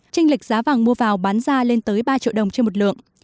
trênh lịch giá vàng mua vào bán ra lên tới ba triệu đồng trên một lượng